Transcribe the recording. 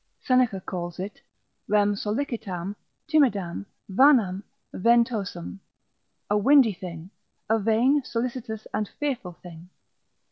Seneca calls it, rem solicitam, timidam, vanam, ventosam, a windy thing, a vain, solicitous, and fearful thing.